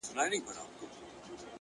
زه به همدغه سي شعرونه ليكم’